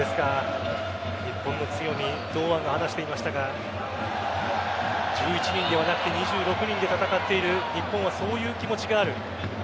日本の強み堂安が話していましたが１１人ではなくて２６人で戦っている日本はそういう気持ちがある。